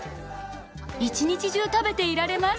一日中食べていられます。